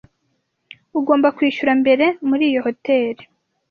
Ugomba kwishyura mbere muri iyo hoteri.